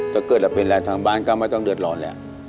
ถ้าเกิดเราเป็นอะไรทางบ้านก็ไม่ต้องเดือดร้อนแล้ว